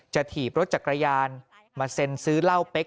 ถีบรถจักรยานมาเซ็นซื้อเหล้าเป๊ก